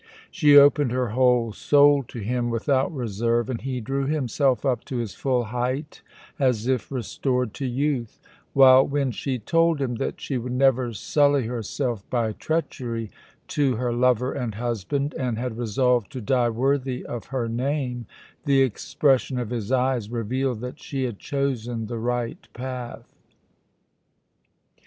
She opened her whole soul to him without reserve, and he drew himself up to his full height, as if restored to youth; while when she told him that she would never sully herself by treachery to her lover and husband, and had resolved to die worthy of her name, the expression of his eyes revealed that she had chosen the right path.